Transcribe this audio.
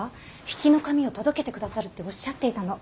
比企の紙を届けてくださるっておっしゃっていたの。